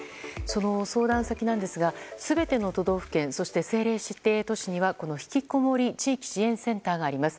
その相談先ですが全ての都道府県そして政令指定都市にはひきこもり地域支援センターがあります。